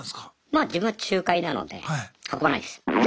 まあ自分は仲介なので運ばないです。